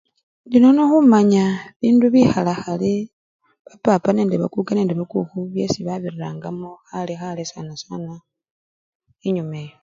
Indi nono khumanya bibindu bikhalakhale byesi bapapa, bakukhu nende bakuka babirirangamo khalekhale sana sana enyuma eyo.